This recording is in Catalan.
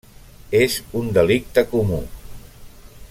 És un delicte comú.